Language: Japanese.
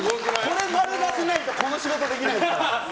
これで○出せないとこの仕事できないですから。